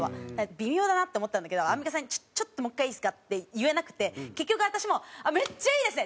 微妙だなって思ったんだけどアンミカさんに「ちょっともう１回いいですか？」って言えなくて結局私も「めっちゃいいですね！